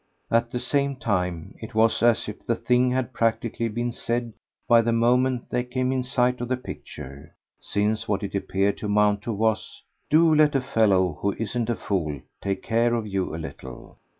At the same time it was as if the thing had practically been said by the moment they came in sight of the picture; since what it appeared to amount to was "Do let a fellow who isn't a fool take care of you a little."